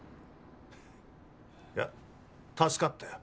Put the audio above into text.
いや助かったよ。